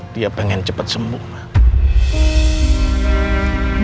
dia pengen cepat sembuh pak